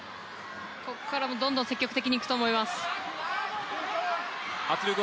ここからもうどんどん積極的にいくと思います。